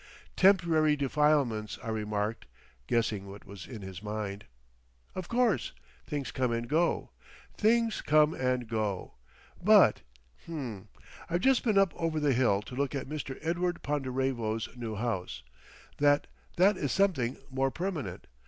"Temporary defilements," I remarked, guessing what was in his mind. "Of course. Things come and go. Things come and go. But—H'm. I've just been up over the hill to look at Mr. Edward Ponderevo's new house. That—that is something more permanent.